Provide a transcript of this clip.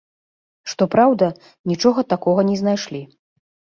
Што праўда, нічога такога не знайшлі.